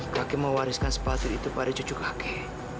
kakek mewariskan sepatu itu pada cucu kakek